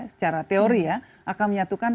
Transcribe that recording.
secara teori akan menyatukan